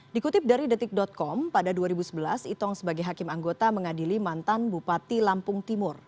dikutip dari detik com pada dua ribu sebelas itong sebagai hakim anggota mengadili mantan bupati lampung timur